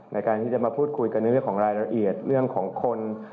ในการที่จะมาพูดคุยกันในเรื่องของรายละเอียดเรื่องของคน